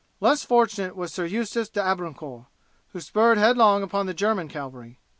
Less fortunate was Sir Eustace D'Ambrecicourt, who spurred headlong upon the German cavalry.